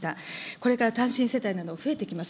これから単身世帯など増えていきます。